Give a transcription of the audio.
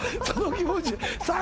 その気持ち